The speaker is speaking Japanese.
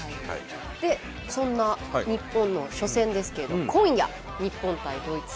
そんな日本の初戦ですけれど今夜日本対ドイツ。